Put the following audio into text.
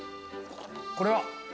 これは。